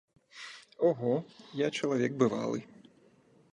Ого, я чалавек бывалы.